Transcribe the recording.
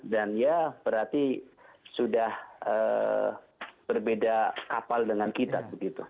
dan ya berarti sudah berbeda kapal dengan kita begitu